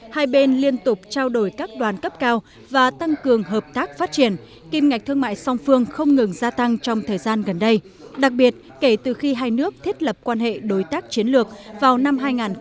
hai bên liên tục trao đổi các đoàn cấp cao và tăng cường hợp tác phát triển kim ngạch thương mại song phương không ngừng gia tăng trong thời gian gần đây đặc biệt kể từ khi hai nước thiết lập quan hệ đối tác chiến lược vào năm hai nghìn một mươi